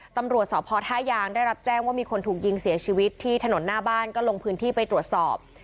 ตำรวจสพท่ายางได้รับแจ้งว่ามีคนถูกยิงเสียชีวิตที่ถนนหน้าบ้านก็ลงพื้นที่ไปตรวจสอบ